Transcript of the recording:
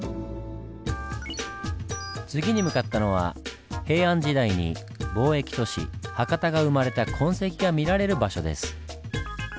次に向かったのは平安時代に貿易都市博多が生まれた痕跡が見られる場所です。